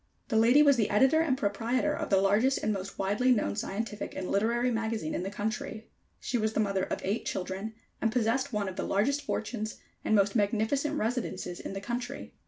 The lady was the editor and proprietor of the largest and most widely known scientific and literary magazine in the country. She was the mother of eight children, and possessed one of the largest fortunes and most magnificent residences in the country.